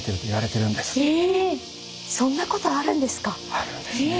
そんなことあるんですか？